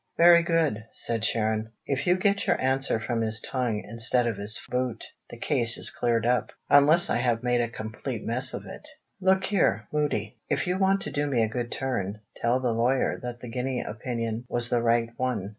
"Very good," said Sharon. "If you get your answer from his tongue, instead of his boot, the case is cleared up unless I have made a complete mess of it. Look here, Moody! If you want to do me a good turn, tell the lawyer that the guinea opinion was the right one.